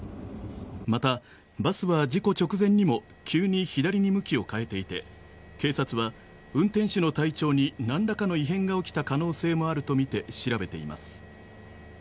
また、バスは事故直前にも急に左に向きを変えていて警察は運転手の体調に何らかの異変が起きた可能性もあるとみて調べています。